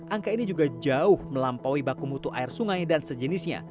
angka ini juga jauh melampaui baku mutu air sungai dan sejenisnya